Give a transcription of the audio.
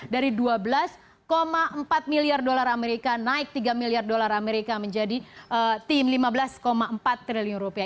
dari dua belas empat miliar dolar amerika naik tiga miliar dolar amerika menjadi tim lima belas empat triliun rupiah